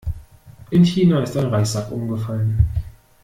In China ist ein Reissack umgefallen.